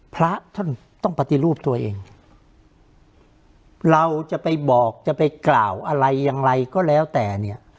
พระท่านต้องปฏิรูปตัวเองเราจะไปบอกจะไปกล่าวอะไรอย่างไรก็แล้วแต่เนี่ย